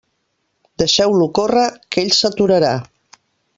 Deixeu-lo córrer, que ell s'aturarà.